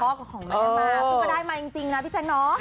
แล้วของพ่อของแม่มาพูดก็ได้มาจริงนะพี่แจ๊งน้อ